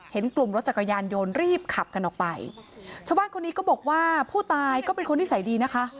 เห็นกลุ่มรถจักรยานยนต์รีบขับกันออกไปชาวบ้านคนนี้ก็บอกว่าผู้ตายก็เป็นคนนิสัยดีนะคะ